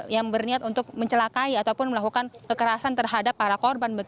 yang berniat untuk mencelakai ataupun melakukan kekerasan terhadap para korban